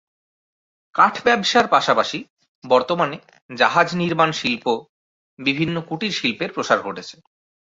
কাঠ ব্যবসার পাশাপাশি বর্তমানে জাহাজ নির্মাণ শিল্প, বিভিন্ন কুটির শিল্পের প্রসার ঘটেছে।